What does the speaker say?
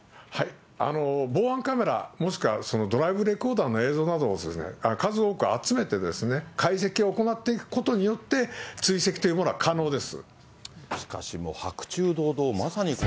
防犯カメラ、もしくはそのドライブレコーダーの映像などを数多く集めて、解析を行っていくことによって、追跡というものは可能です。